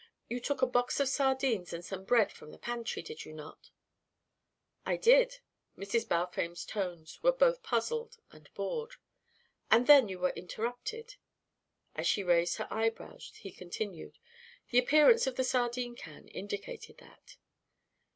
You took a box of sardines and some bread from the pantry, did you not?" "I did." Mrs. Balfame's tones were both puzzled and bored. "And then you were interrupted." As she raised her eyebrows, he continued. "The appearance of the sardine can indicated that."